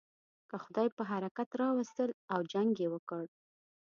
که خدای پر حرکت را وستل او جنګ یې وکړ.